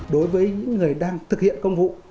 đối với những người đang thực hiện công vụ